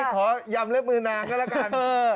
ขอยำเล็บมือนางก็แล้วกัน